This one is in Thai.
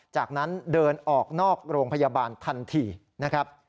จากนั้นเดินออกนอกโรงพยาบาลทันทีนะครับ